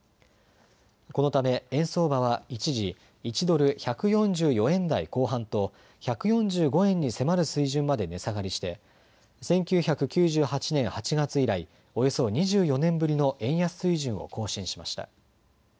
このため円相場は一時、１ドル１４４円台後半と１４５円に迫る水準まで値下がりして１９９８年８月以来、およそ２４年ぶりの円安水準を更新しました。